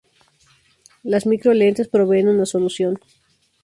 Las micro lentes proveen una solución.